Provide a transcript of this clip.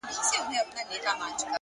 هره تجربه د فکر نوی بُعد دی!